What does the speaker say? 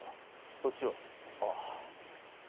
そっちは？